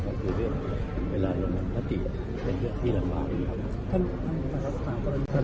เขาไปดูกฎหมายมาว่าถ้าสมมติคดียังไม่อุทธรณ์อีกการไม่จบ